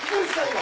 今。